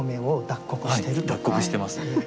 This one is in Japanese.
脱穀してますね。